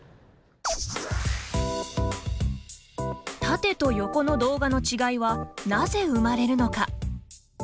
縦と横の動画の違いはなぜ生まれるのか。